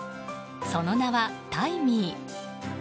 その名は、タイミー。